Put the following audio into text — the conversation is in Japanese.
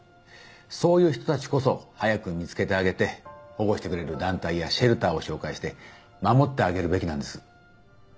そういう人たちこそ早く見つけてあげて保護してくれる団体やシェルターを紹介して守ってあげるべきなんです。